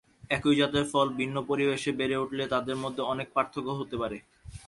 একই জাতের ফল ভিন্ন পরিবেশে বেড়ে উঠলে তাদের মধ্যে অনেক পার্থক্য হতে পারে।